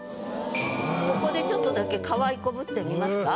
ここでちょっとだけかわいこぶってみますか？